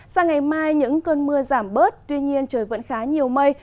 sang ngày mai những cơn mưa giảm bớt tuy nhiên trời vẫn khá nhiều mây